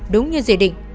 đúng như dự định